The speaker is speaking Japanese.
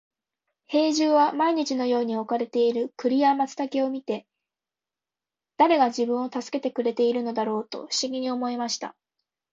兵十は毎日のように置かれる栗や松茸を見て、誰が自分を助けてくれているのだろうと不思議に思いました。